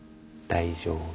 大丈夫。